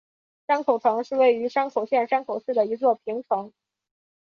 山口城是位在山口县山口市的一座平城。